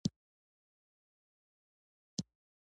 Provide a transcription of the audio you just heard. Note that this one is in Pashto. آیا مصنوعي ځیرکتیا هلته وده نه کوي؟